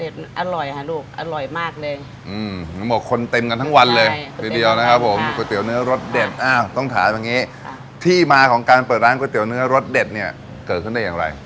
เด็ดอร่อยค่ะลูกอร่อยมากเลยอืมหมดคนเต็มกันทั้งวันเลยทีเดียวนะครับผมก๋วยเตี๋ยวเนื้อรสเด็ดอ้าวต้องถามอย่างงี้ที่มาของการเปิดร้านก๋วยเตี๋ยวเนื้อรสเด็ดเนี่ยเกิดขึ้นได้อย่างไร